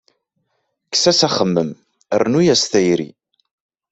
Kkes-as axemmem, rnnu-as tayri.